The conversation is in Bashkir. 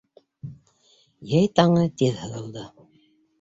Йәй таңы тиҙ һыҙылды.